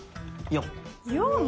４。